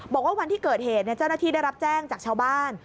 บอกว่าวันที่เกิดเหตุเจ้าหน้าที่ได้รับแจ้งจากชาวบ้าน